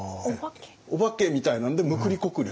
お化けみたいなんでむくりこくり。